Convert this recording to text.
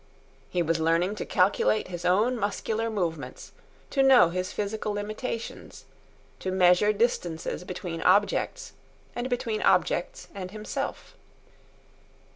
He was learning to calculate his own muscular movements, to know his physical limitations, to measure distances between objects, and between objects and himself.